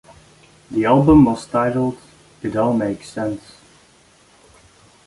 The album was titled "It All Makes Sense".